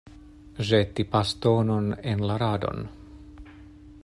Ĵeti bastonon en la radon.